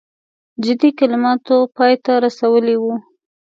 جدي کلماتو پای ته رسولی وو.